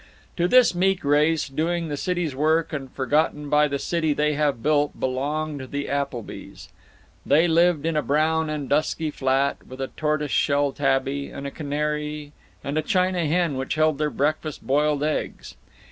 To this meek race, doing the city's work and forgotten by the city they have built, belonged the Applebys. They lived in a brown and dusky flat, with a tortoise shell tabby, and a canary, and a china hen which held their breakfast boiled eggs.